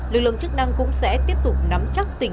liên hệ thì chỉ qua mạng